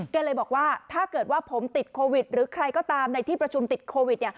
เลยบอกว่าถ้าเกิดว่าผมติดโควิดหรือใครก็ตามในที่ประชุมติดโควิด